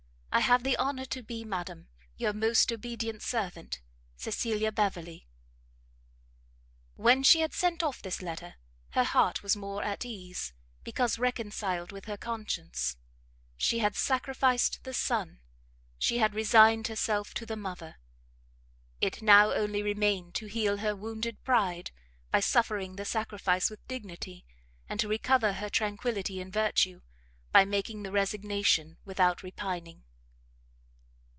I have the honour to be, Madam, your most obedient servant, CECILIA BEVERLEY. When she had sent off this letter, her heart was more at ease, because reconciled with her conscience: she had sacrificed the son, she had resigned herself to the mother; it now only remained to heal her wounded pride, by suffering the sacrifice with dignity, and to recover her tranquility in virtue, by making the resignation without repining.